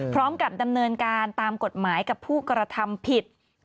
พร้อมกับดำเนินการตามกฎหมายกับผู้กระทำผิด